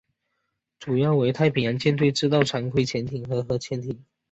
主要为太平洋舰队制造常规潜艇与核潜艇。